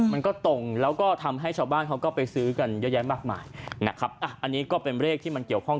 มันก็ตรงแล้วก็ทำให้ชาวบ้านเขาก็ไปซื้อกันเยอะแยะมากมายนะครับอ่ะอันนี้ก็เป็นเลขที่มันเกี่ยวข้อง